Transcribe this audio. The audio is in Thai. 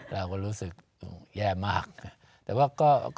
เรารู้สึกแย่มาก